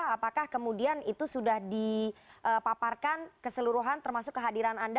apakah kemudian itu sudah dipaparkan keseluruhan termasuk kehadiran anda